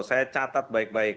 saya catat baik baik